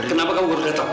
kenapa kamu belum datang